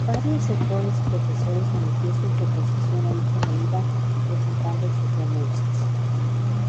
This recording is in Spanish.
Varios rectores y profesores manifiestan su oposición a dicha medida presentando sus renuncias.